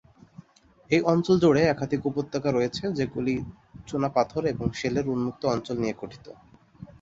এই অঞ্চল জুড়ে একাধিক উপত্যকা রয়েছে যেগুলি চুনাপাথর এবং শেলের উন্মুক্ত অঞ্চল নিয়ে গঠিত।